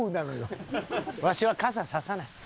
わしは傘差さない。